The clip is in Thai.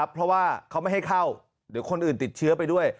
เพราะว่าเขาไม่ให้เข้าเดี๋ยวคนอื่นติดเชื้อไปด้วย